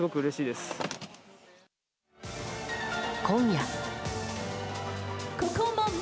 今夜。